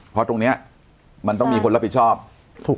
เพราะตรงเนี้ยมันต้องมีคนรับผิดชอบถูก